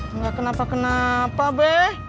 enggak kenapa kenapa beh